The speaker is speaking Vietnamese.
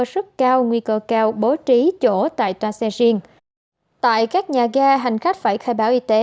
rất cao nguy cơ cao bố trí chỗ tại toa xe riêng tại các nhà ga hành khách phải khai báo y tế